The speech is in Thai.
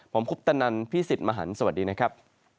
ผมคุปตนันพี่สิทธิ์มหันฯสวัสดีนะครับ